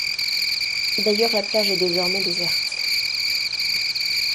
D'ailleurs la plage est désormais déserte.